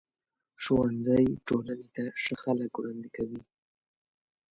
ښوونځی ټولنې ته ښه خلک وړاندې کوي.